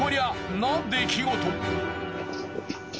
な出来事。